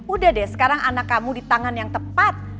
udah deh sekarang anak kamu di tangan yang tepat